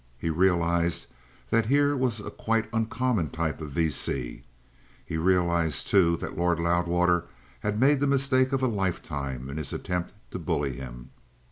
He realized that here was a quite uncommon type of V. C. He realized, too, that Lord Loudwater had made the mistake of a lifetime in his attempt to bully him.